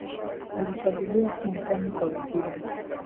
Alichaguliwa kuwa mfano kwa wengine